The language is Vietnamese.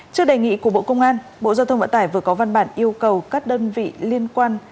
trước đề nghị của bộ công an bộ giao thông vận tải vừa có văn bản yêu cầu các đơn vị liên quan